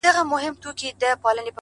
بگوت گيتا د هندوانو مذهبي کتاب;